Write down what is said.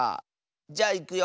じゃいくよ。